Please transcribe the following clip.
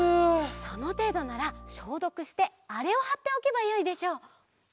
そのていどならしょうどくしてあれをはっておけばよいでしょう。